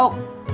buat buka padang